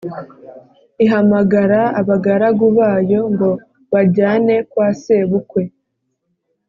ihamagara abagaragu bayo ngo bajyane kwa sebukwe